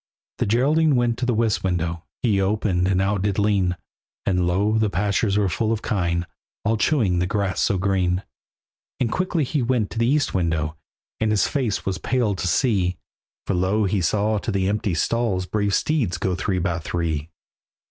The Geraldine went to the west window, He opened, and out did lean, And lo! the pastures were full of kine, All chewing the grass so green. And quickly he went to the east window, And his face was pale to see, For lo! he saw to the empty stalls Brave steeds go three by three.